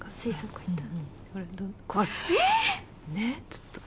えっ！